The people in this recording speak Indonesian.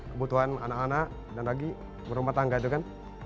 kebutuhan anak anak dan lagi berumah tangga itu kan